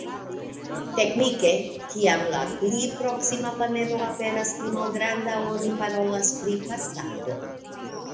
Teknike, kiam la pli proksima planedo aperas pli malgranda oni parolas pri pasado.